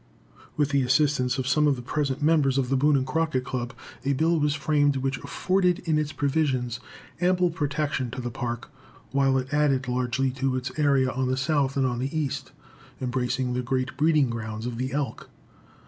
With the assistance of some of the present members of the Boone and Crockett Club, a bill was framed which afforded in its provisions ample protection to the Park, while it added largely to its area on the south and on the east, embracing the great breeding grounds of the elk.